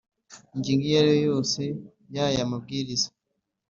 ingingo iyo ari yo yose y aya mabwiriza